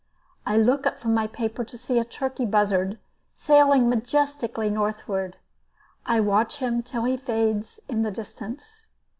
I look up from my paper to see a turkey buzzard sailing majestically northward. I watch him till he fades in the distance.